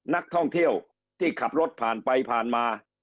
นักท่องเที่ยวที่ขับรถผ่านไปผ่านมา